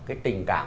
cái tình cảm